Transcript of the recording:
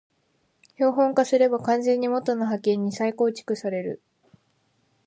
標本化すれば完全に元の波形に再構成される